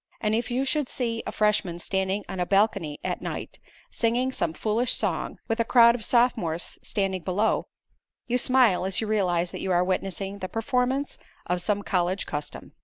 And if you should see a freshman standing on a balcony at night, singing some foolish song, with a crowd of sophomores standing below, you smile as you realize that you are witnessing the performance of some college custom.